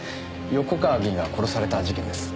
横川議員が殺された事件です。